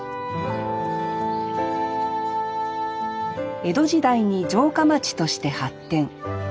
江戸時代に城下町として発展。